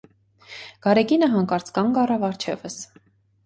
- Գարեգինը հանկարծ կանգ առավ առջևս: